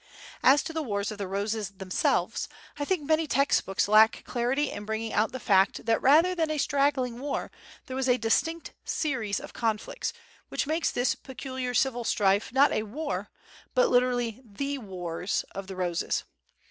As to the Wars of the Roses themselves, I think many text books lack clarity in bringing out the fact that rather than a straggling war there was a distinct series of conflicts, which makes this peculiar civil strife not a war, but literally the Wars of the Roses.